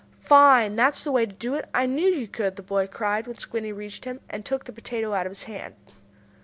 "Fine! That's the way to do it! I knew you could!" the boy cried when Squinty reached him, and took the potato out of his hand.